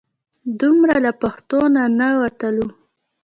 دومره له پښتو نه نه وتلو.